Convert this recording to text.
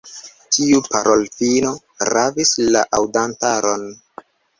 Tiu parolfino ravis la aŭdantaron.